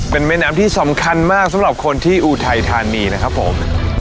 เป็นแม่น้ำที่สำคัญมากสำหรับคนที่อุทัยธานีนะครับผม